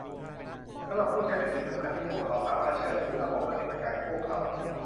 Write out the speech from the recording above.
สำหรับผู้ใช้เป็นสิ่งสำคัญที่พวกเขาสามารถเชื่อถือระบบปฏิบัติการของพวกเขา